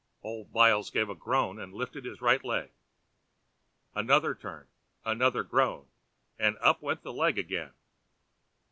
Old Byles gave a groan and lifted his right leg. Another turn, another groan, and up went the leg again.